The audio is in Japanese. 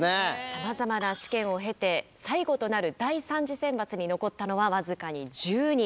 さまざまな試験を経て最後となる第３次選抜に残ったのは僅かに１０人。